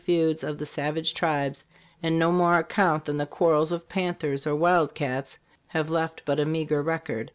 55 feuds of the savage tribes in no more account than the quarrels of panthers or wildcats, have left but a meagre record.